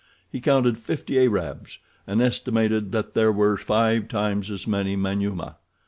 He counted fifty Arabs and estimated that there were five times as many Manyuema.